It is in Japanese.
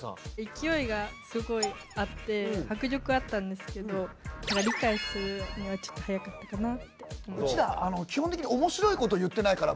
勢いがすごいあって迫力あったんですけど理解するにはちょっとはやかったかなって。